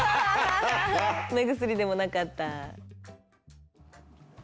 目薬でもなかった。